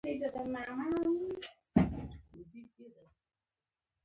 هڅه کوي عوام پسندو شعارونو ته مخه کړي.